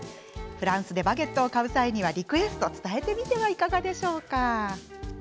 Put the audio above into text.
フランスでバゲットを買う際にはリクエストを伝えてみてはいかがでしょうか？